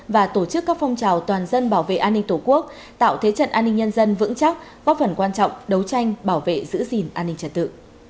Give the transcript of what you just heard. và tổ chức các phong trào toàn dân bảo vệ an ninh tổ quốc tạo thế trận an ninh nhân dân vững chắc góp phần quan trọng đấu tranh bảo vệ giữ gìn an ninh trật tự